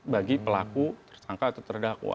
bagi pelaku tersangka atau terdakwa